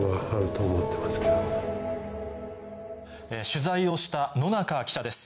取材をした野中記者です。